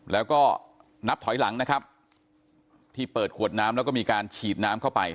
แล้วก็นับถอยหลังนะครับที่เปิดขวดน้ำแล้วก็มีการฉีดน้ำเข้าไป